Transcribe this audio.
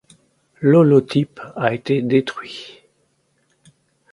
L'holotype a été détruit.